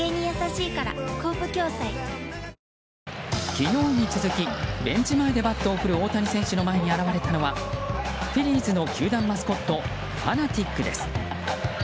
昨日に続きベンチ前でバットを振る大谷選手の前に現れたのはフィリーズの球団マスコットファナティックです。